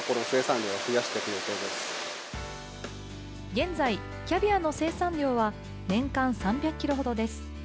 現在キャビアの生産量は年間３００ｋｇほどです。